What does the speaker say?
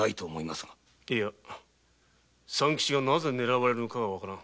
いや三吉がなぜ狙われるのかがわからん。